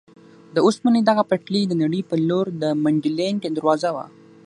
د اوسپنې دغه پټلۍ د نړۍ په لور د منډلینډ دروازه وه.